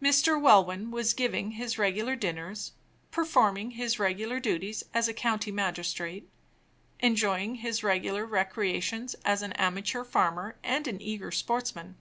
Mr. Welwyn was giving his regular dinners, performing his regular duties as a county magistrate, enjoying his regular recreations as an a amateur farmer and an eager sportsman.